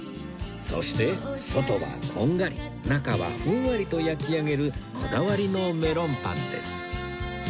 そして外はこんがり中はふんわりと焼き上げるこだわりのメロンパンです